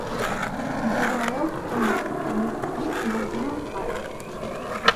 მდებარეობს მდინარე ხანისწყლის მარჯვენა მხარეს.